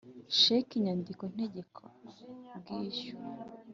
Sheki inyandiko ntegekabwishyu